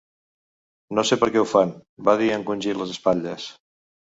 "No sé per què ho fan", va dir encongint les espatlles.